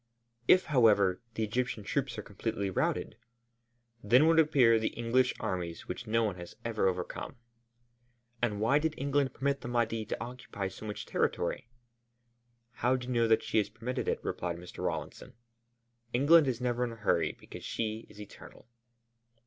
"If, however, the Egyptian troops are completely routed?" "Then would appear the English armies which no one has ever overcome." "And why did England permit the Mahdi to occupy so much territory?" "How do you know that she has permitted it?" replied Mr. Rawlinson. "England is never in a hurry because she is eternal."